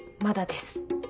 まだです。